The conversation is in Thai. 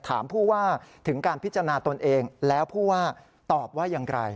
ถามผู้ว่าถึงการพิจารณาตนเองแล้วผู้ว่าตอบว่าอย่างไร